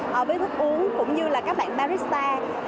với thức uống cũng như là các bạn barista